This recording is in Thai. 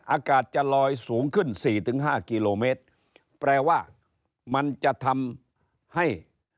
อากาศจะลอยสูงขึ้นสี่ถึงห้ากิโลเมตรแปลว่ามันจะทำให้